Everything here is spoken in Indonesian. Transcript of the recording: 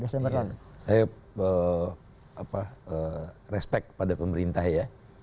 saya respect pada pemerintah ya